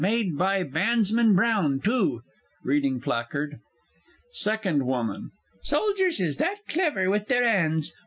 "Made by Bandsman Brown," too! [Reading placard. SECOND W. Soldiers is that clever with their 'ands.